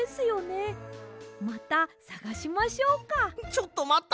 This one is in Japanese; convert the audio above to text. ちょっとまった！